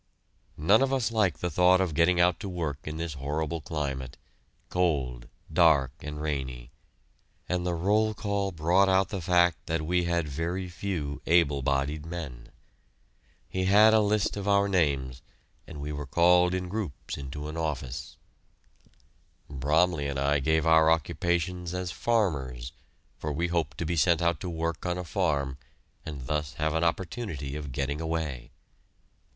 None of us like the thought of getting out to work in this horrible climate, cold, dark, and rainy, and the roll call brought out the fact that we had very few able bodied men. He had a list of our names, and we were called in groups into an office. Bromley and I gave our occupations as "farmers," for we hoped to be sent out to work on a farm and thus have an opportunity of getting away.